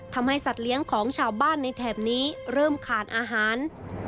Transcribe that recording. ทำให้สัตว์เลี้ยงของชาวบ้านในแถบนี้เริ่มขาดอาหาร